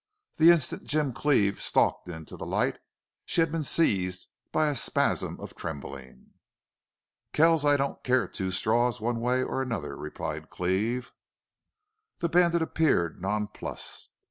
The instant Jim Cleve had stalked into the light she had been seized by a spasm of trembling. "Kells, I don't care two straws one way or another," replied Cleve. The bandit appeared nonplussed.